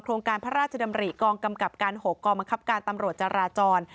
การพระราชดำริกองกำกับการ๖กองบังคับการตำรวจจราจร